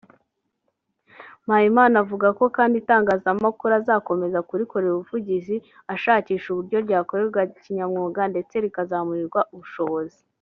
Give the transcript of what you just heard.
Mpayimana avuga ko kandi itangazamakuru azakomeza kurikorera ubuvugizi ashakisha uburyo ryakora kinyamwuga ndetse rikazamurirwa ubushobobozi